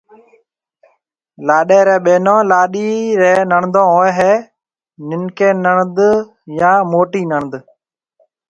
لاڏيَ ريَ ٻيونون لاڏيِ ريَ نَيڙڌُو هوئي هيَ۔ ننڪِي نَيڙڌ يان موٽِي نَيڙڌ